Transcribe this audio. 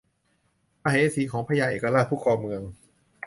มเหสีของพญาเอกราชผู้ครองเมือง